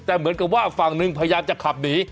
แต่เหมือนกับว่าฝั่งหนึ่งพยายามจะขับหนี